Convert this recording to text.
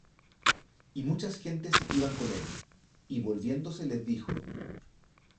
Y muchas gentes iban con él; y volviéndose les dijo: